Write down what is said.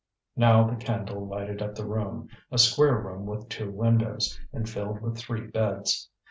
Now the candle lighted up the room, a square room with two windows, and filled with three beds.